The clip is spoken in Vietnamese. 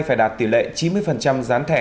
phải đạt tỷ lệ chín mươi gián thẻ